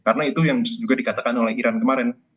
karena itu yang juga dikatakan oleh iran kemarin